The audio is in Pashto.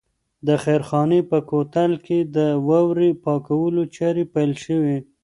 د خیرخانې په کوتل کې د واورې پاکولو چارې پیل شوې.